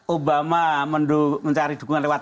obama mencari dukungan lewat